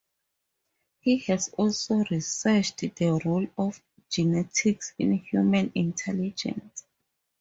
He has also researched the role of genetics in human intelligence.